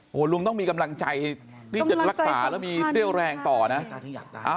โอ้โหลุงต้องมีกำลังใจที่จะรักษาแล้วมีเรี่ยวแรงต่อนะ